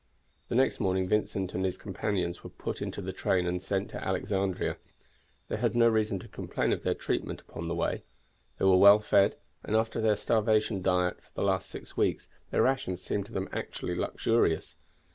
The next morning Vincent and his companions were put into the train and sent to Alexandria. They had no reason to complain of their treatment upon the way. They were well fed, and after their starvation diet for the last six weeks their rations seemed to them actually luxurious.